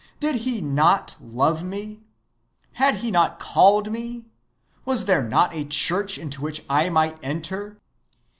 Did he not love me? Had he not called me? Was there not a Church into which I might enter?...